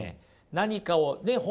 何かをね